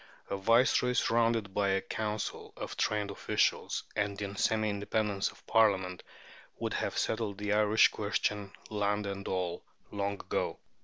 A Viceroy surrounded by a Council of trained officials, and in semi independence of Parliament, would have settled the Irish question, land and all, long ago.